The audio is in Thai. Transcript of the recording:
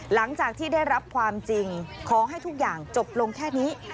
หลังจากที่ได้รับความจริงขอให้ทุกอย่างจบลงแค่นี้